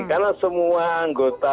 karena semua anggota